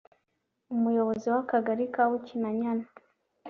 umuyobozi w’Akagari ka Bukinanyana